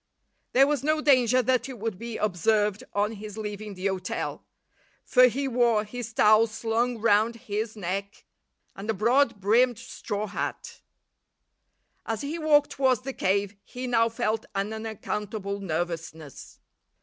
There was no danger that it would be observed on his leaving the hotel; for he wore his towels slung round his neck, and a broad brimmed straw hat. As he walked towards the cave he now felt an unaccountable nervousness.